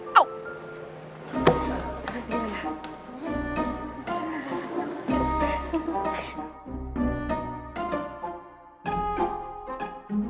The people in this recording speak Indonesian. kau merupakan senang sama aku